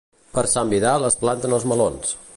Per Sant Vidal es planten els melons.